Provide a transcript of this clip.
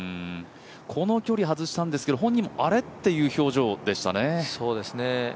この距離、外したんですけど本人もあれっ？っていう表情でしたね。